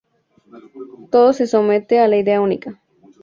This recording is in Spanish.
Todo se somete a la idea única.